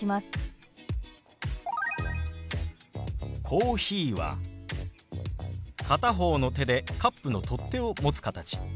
「コーヒー」は片方の手でカップの取っ手を持つ形。